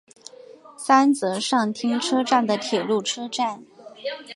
三泽上町车站的铁路车站。